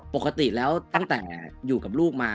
ปกติแล้วตั้งแต่อยู่กับลูกมา